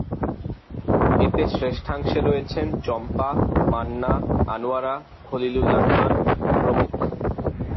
এতে শ্রেষ্ঠাংশে রয়েছেন চম্পা, মান্না, আনোয়ারা, খলিল উল্লাহ খান প্রমুখ।